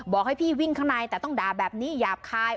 บอกให้พี่วิ่งข้างในแต่ต้องด่าแบบนี้หยาบคาย